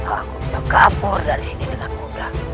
aku bisa kapor dari sini dengan mudah